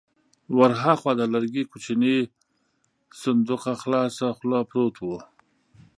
ور هاخوا د لرګي کوچينی صندوق خلاصه خوله پروت و.